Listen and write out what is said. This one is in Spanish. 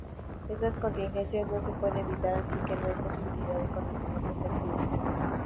Estas contingencias no se pueden evitar, así que no hay posibilidad de conocimiento sensible.